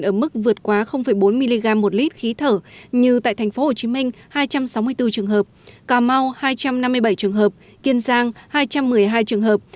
ở mức vượt quá bốn mg một lít khí thở như tại tp hcm hai trăm sáu mươi bốn trường hợp cà mau hai trăm năm mươi bảy trường hợp kiên giang hai trăm một mươi hai trường hợp